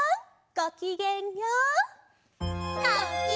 ごきげんよう！